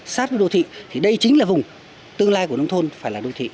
sát với đô thị thì đây chính là vùng tương lai của nông thôn phải là đô thị